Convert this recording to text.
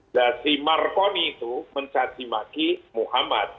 dan si marconi itu mencaci maki muhammad